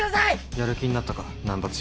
やる気になったか難破剛。